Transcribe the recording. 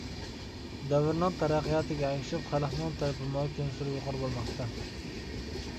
دەۋرنىڭ تەرەققىياتىغا ئەگىشىپ، خەلقنىڭ تەلىپىمۇ كۈنسېرى يۇقىرى بولماقتا.